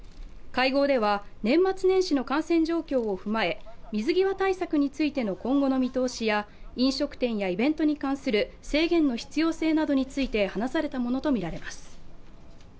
会合では、年末年始の感染状況を踏まえ水際対策についての今後の見通しや、飲食店やイベントに関する制限の必要性などについて話されたものとみられます。